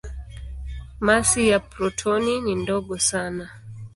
Masi ya protoni ni ndogo sana.